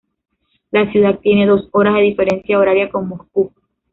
La ciudad tiene dos horas de diferencia horaria con Moscú.